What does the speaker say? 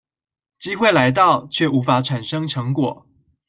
機會來到卻無法產生成果